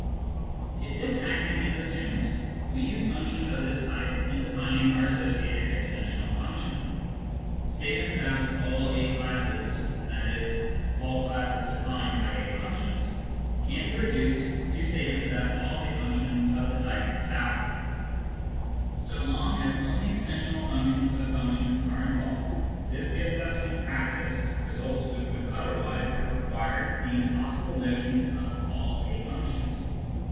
If this axiom is assumed, we use functions of this type in defining our associated extensional function. Statements about all a classes (i.e. all classes defined by a functions) can be reduced to statements about all a functions of the type t. So long as only extensional functions of functions are involved, this gives us in practice results which would otherwise have required the impossible notion of " all a functions."